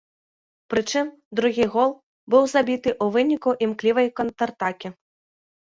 Прычым, другі гол быў забіты у выніку імклівай контратакі.